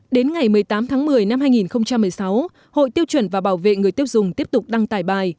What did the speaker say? đến ngày một mươi tám tháng một mươi năm hai nghìn một mươi sáu hội tiêu chuẩn và bảo vệ người tiêu dùng tiếp tục đăng tải bài